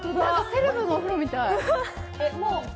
セレブのお風呂みたい。